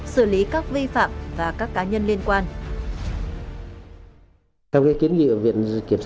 xử lý các vi phạm và các cá nhân liên quan